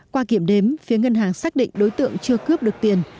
qua kiểm đếm phía ngân hàng xác định đối tượng chưa cướp được tiền